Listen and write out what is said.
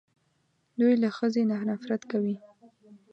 دوی له ښځې نه نفرت کوي